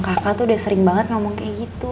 kakak tuh udah sering banget ngomong kayak gitu